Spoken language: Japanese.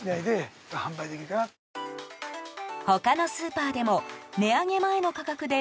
他のスーパーでも値上げ前の価格で